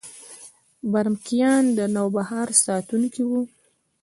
برمکیان د نوبهار ساتونکي وو